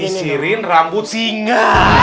nyisirin rambut singa